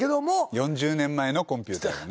４０年前のコンピューターがね。